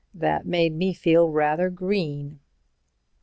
That made me feel rather green."